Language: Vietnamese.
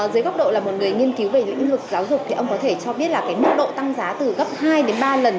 dưới góc độ là một người nghiên cứu về lĩnh vực giáo dục thì ông có thể cho biết là cái mức độ tăng giá từ gấp hai đến ba lần